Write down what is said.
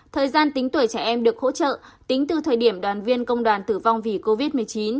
thời gian tính tuổi trẻ em được hỗ trợ tính từ thời điểm đoàn viên công đoàn tử vong vì covid một mươi chín